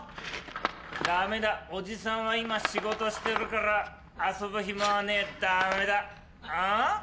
ダメだおじさんは今仕事してるから遊ぶ暇はねえダメだあ？